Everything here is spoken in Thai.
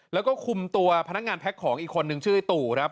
แล้วก็คุมตัวพนักงานแพ็คของอีกคนนึงชื่อไอ้ตู่ครับ